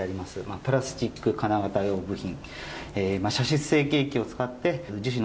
プラスチック金型用部品。